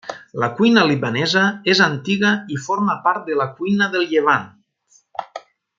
La cuina libanesa és antiga i forma part de la cuina del Llevant.